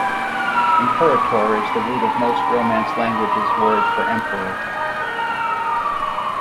"Imperator" is the root of most Romance languages' word for emperor.